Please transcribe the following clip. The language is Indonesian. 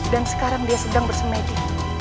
dan sekarang dia sedang bersemedi